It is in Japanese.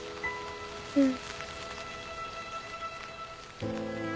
うん。